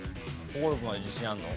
心君は自信あるの？